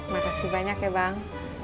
makasih banyak ya bang